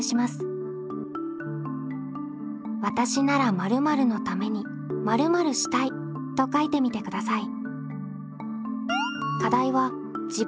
わたしなら〇〇のために〇〇したいと書いてみてください。